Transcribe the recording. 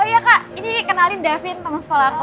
oh iya kak ini kenalin davin teman sekolah aku